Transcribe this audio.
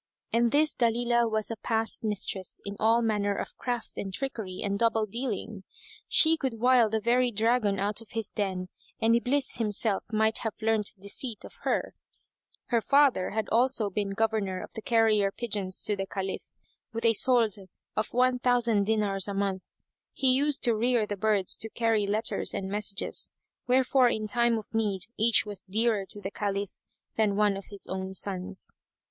And this Dalilah was a past mistress in all manner of craft and trickery and double dealing; she could wile the very dragon out of his den and Iblis himself might have learnt deceit of her. Her father[FN#182] had also been governor of the carrier pigeons to the Caliph with a solde of one thousand dinars a month. He used to rear the birds to carry letters and messages, wherefore in time of need each was dearer to the Caliph than one of his own sons.